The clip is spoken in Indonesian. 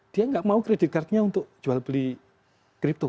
dia tidak mau kredit kartunya untuk jual beli kripto